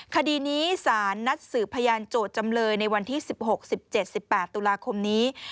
คดีนี้สารนัดสืบพยานโจทย์จำเลยในวันที่๑๖๑๗๑๘ตุลาคมนี้